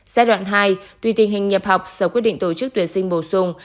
giai đoạn hai tuy tình hình nhập học sở quyết định tổ chức tuyển sinh bổ sung